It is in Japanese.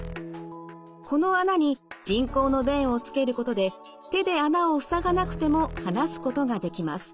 この孔に人工の弁をつけることで手で孔を塞がなくても話すことができます。